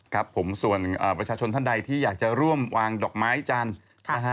ครับผมส่วนประชาชนท่านใดที่อยากจะร่วมวางดอกไม้จันทร์นะฮะ